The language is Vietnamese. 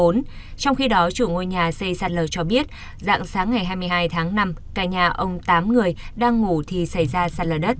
trong khi đó chủ ngôi nhà xây sạt lở cho biết dạng sáng ngày hai mươi hai tháng năm cả nhà ông tám người đang ngủ thì xảy ra sạt lở đất